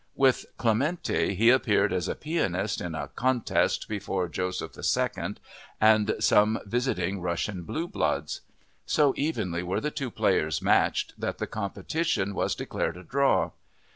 With Clementi he appeared as a pianist in a contest before Joseph II and some visiting Russian blue bloods. So evenly were the two players matched that the competition was declared a draw.